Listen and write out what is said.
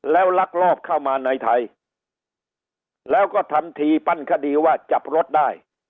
แล้วลักลอบเข้ามาในไทยแล้วก็ทำทีปั้นคดีว่าจับรถได้